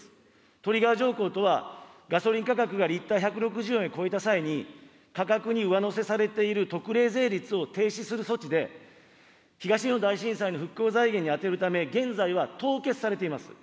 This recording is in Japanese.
トリガー条項とは、ガソリン価格がリッター１６０円を超えた際に、価格に上乗せされている特例税率を停止する措置で、東日本大震災の復興財源に充てるため、現在は凍結されています。